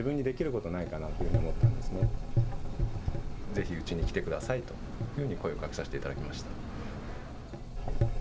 ぜひうちに来てくださいというふうに声をかけさせていただきました。